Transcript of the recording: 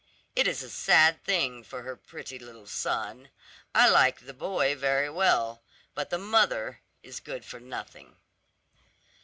It is a sad thing for her pretty little son. I like the boy very well; but the mother is good for nothing."